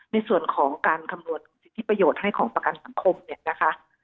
ในส่วนของการคำนวณสิทธิประโยชน์ให้ของประกันสังคมเนี่ยนะคะ